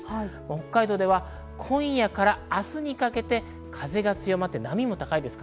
北海道では今夜から明日にかけて風が強まって波も高まります。